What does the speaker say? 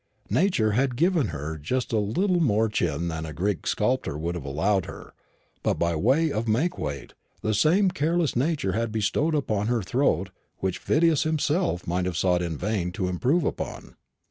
Nature had given her just a little more chin than a Greek sculptor would have allowed her; but, by way of make weight, the same careless Nature had bestowed upon her a throat which Phidias himself might have sought in vain to improve upon.